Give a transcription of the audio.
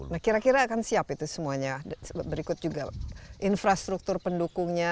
nah kira kira akan siap itu semuanya berikut juga infrastruktur pendukungnya